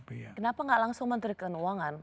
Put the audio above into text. kenapa nggak langsung menteri keuangan